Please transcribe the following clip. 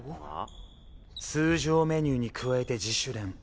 通常メニューに加えて自主練